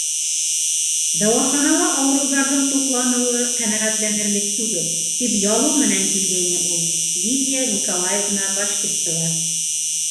Дауаханала ауырыуҙарҙың туҡланыуы ҡәнәғәтләнерлек түгел, тип ялыу менән килгәйне ул. Лидия Николаевна Башкирцева.